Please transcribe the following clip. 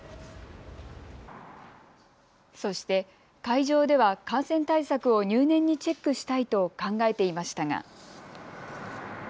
そして会場では感染対策を入念にチェックしたいと考えていましたが。